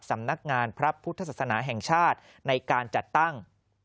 สำนักงานพระพุทธศาสนาแห่งชาติในการจัดตั้ง